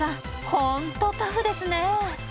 本当タフですねえ。